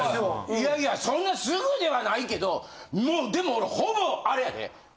いやいやそんなすぐではないけどもうでも俺ほぼあれやで。